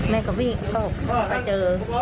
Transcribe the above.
แม่ก็วิ่งโต๊ะไปเจอ